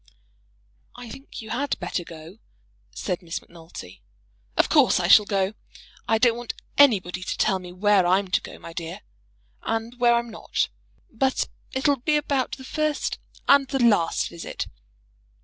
"I think you had better go," said Miss Macnulty. "Of course, I shall go. I don't want anybody to tell me where I'm to go, my dear, and where I'm not. But it'll be about the first and the last visit.